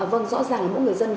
vâng rõ ràng là mỗi người dân